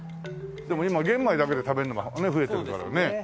でも今玄米だけで食べるのが増えてるからねえ。